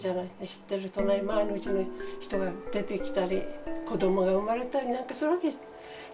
知ってる前のうちの人が出てきたり子どもが生まれたりなんかするわけじゃない。